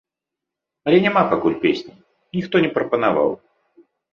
Але няма пакуль песні, ніхто не прапанаваў.